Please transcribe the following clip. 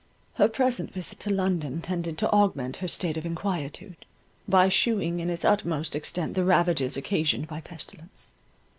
Her present visit to London tended to augment her state of inquietude, by shewing in its utmost extent the ravages occasioned by pestilence.